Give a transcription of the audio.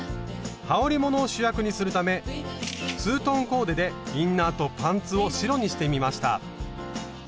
はおりものを主役にするためツートンコーデでインナーとパンツを白にしてみました。